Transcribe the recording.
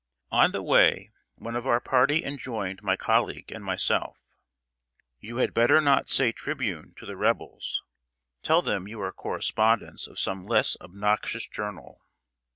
] On the way, one of our party enjoined my colleague and myself "You had better not say Tribune to the Rebels. Tell them you are correspondents of some less obnoxious journal."